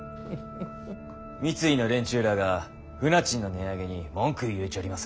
三井の連中らあが船賃の値上げに文句を言うちょります。